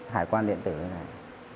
hải quan điện tử như thế này